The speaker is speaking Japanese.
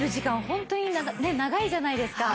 ホントにね長いじゃないですか。